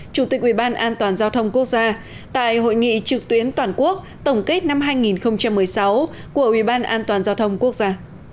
chủ tịch ủy ban an toàn giao thông quốc gia tại hội nghị trực tuyến toàn quốc tổng kết năm hai nghìn một mươi sáu của ủy ban an toàn giao thông quốc gia